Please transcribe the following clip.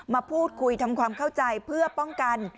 มาพูดคุยทำความเข้าใจเพื่อป้องกัน